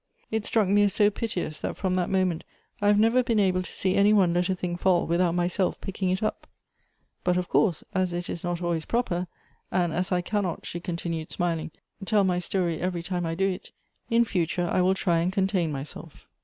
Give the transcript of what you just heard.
It struck mo as so piteous ; that from that moment I have never been able to sec any one let a thing fall without myself pick ing it up. But, of course, as it is not always proper, and Elective Appinit'ies. 55 as I cannot," she continued, smiling, "tell my story eveiy time I do it, in future I will try and contain myself."